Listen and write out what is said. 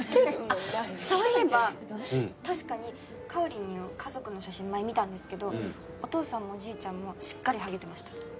そういえば確かにかおりんの家族の写真前見たんですけどお父さんもおじいちゃんもしっかりハゲてました。